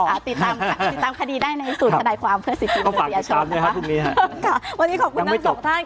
วันนี้ขอบคุณกันด้านส่วนทาง